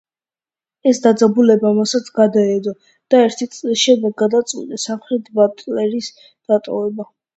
ეს დაძაბულობა მასაც გადაედო და ერთი წლის შემდეგ გადაწყვიტა სამხრეთ ბატლერის დატოვება.